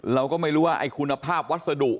เราก็ไม่รู้ว่าไอ้คุณภาพวัสดุ